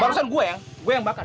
barusan gua yang bakar